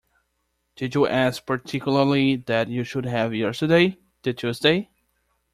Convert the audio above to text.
Did you ask particularly that you should have yesterday, the Tuesday?